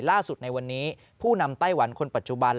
ล่าสุดในวันนี้ผู้นำไต้หวันคนปัจจุบัน